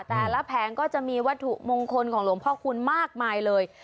แผงก็จะมีวัตถุมงคลของหลวงพ่อคูณมากมายเลย